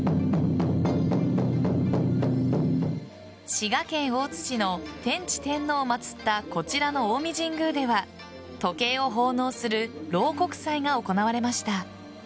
滋賀県大津市の天智天皇を祭ったこちらの近江神宮では時計を奉納する漏刻祭が行われました。